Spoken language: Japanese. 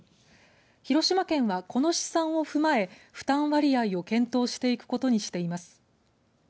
広島県はこの試算を踏まえ負担割合を検討していくことにしています。